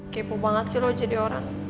kepo banget sih lo jadi orang